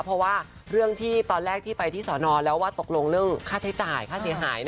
เพราะว่าเรื่องที่ตอนแรกที่ไปที่สอนอแล้วว่าตกลงเรื่องค่าใช้จ่ายค่าเสียหาย